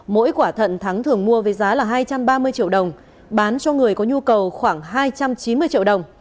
mỗi quả thận thắng thường mua với giá là hai trăm ba mươi triệu đồng bán cho người có nhu cầu khoảng hai trăm chín mươi triệu đồng